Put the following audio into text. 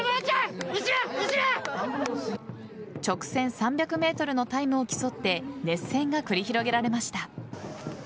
直線３００ｍのタイムを競って熱戦が繰り広げられました。